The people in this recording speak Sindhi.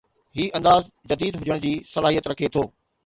هي انداز جديد هجڻ جي صلاحيت رکي ٿو